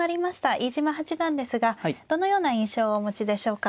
飯島八段ですがどのような印象をお持ちでしょうか。